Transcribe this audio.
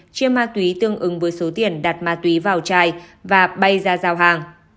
chia ma túy tương ứng với số tiền đặt ma túy vào chai và bay ra giao hàng